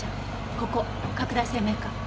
ここ拡大鮮明化。